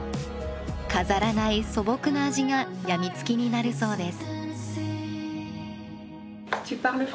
飾らない素朴な味が病みつきになるそうです。